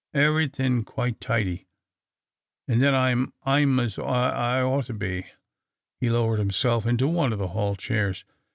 Ev'rythin' qui' tidy, and then I'm — I'm as I ought to be." He lowered himself into one of the hall chairs.